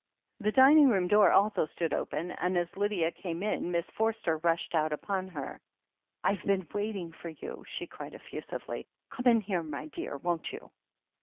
The dining room door also stood open, and as Lydia came in Miss Forster rushed out upon her. "Fve been waiting for you!" she cried effusively. "Come in here, my dear, won't you